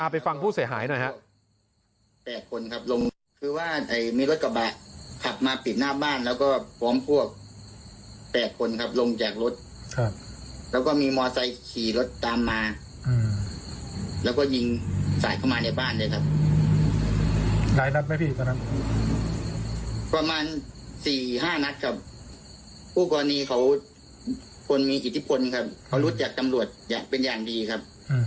ไปฟังผู้เสียหายหน่อยครับ